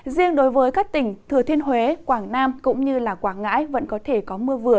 riêng đối với các tỉnh thừa thiên huế quảng nam cũng như quảng ngãi vẫn có thể có mưa vừa